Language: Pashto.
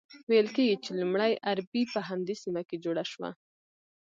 ویل کیږي چې لومړۍ اربۍ په همدې سیمه کې جوړه شوه.